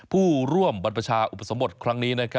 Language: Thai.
ผู้ร่วมบรรพชาอุปสมบทครั้งนี้